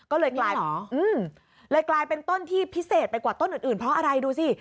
อืมเลยกลายเป็นต้นที่พิเศษไปกว่าต้นอื่นเพราะอะไรดูสิ